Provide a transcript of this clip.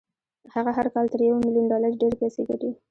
هغه هر کال تر يوه ميليون ډالر ډېرې پيسې ګټي.